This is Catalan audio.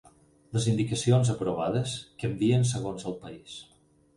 Les indicacions aprovades canvien segons el país.